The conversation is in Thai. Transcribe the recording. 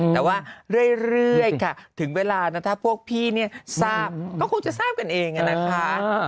แต่ว่าเรื่อยค่ะถึงเวลานะถ้าพวกพี่เนี่ยทราบก็คงจะทราบกันเองนะคะ